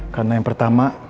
karena yang pertama